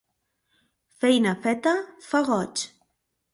Feina feta fa goig.